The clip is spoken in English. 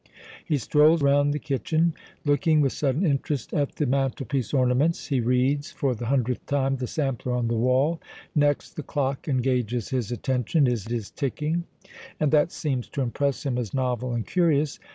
He strolls round the kitchen, looking with sudden interest at the mantelpiece ornaments; he reads, for the hundredth time, the sampler on the wall. Next the clock engages his attention; it is ticking, and that seems to impress him as novel and curious.